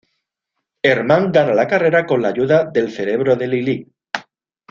Herman gana la carrera con la ayuda del cerebro de Lily.